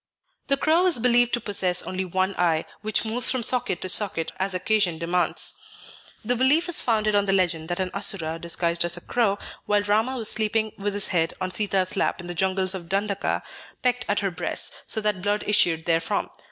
The crow is believed to possess only one eye, which moves from socket to socket as occasion demands. The belief is founded on the legend that an Asura, disguised as a crow, while Rama was sleeping with his head on Sita's lap in the jungles of Dandaka, pecked at her breasts, so that blood issued therefrom.